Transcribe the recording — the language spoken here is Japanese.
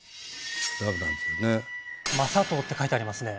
「雅刀」って書いてありますね。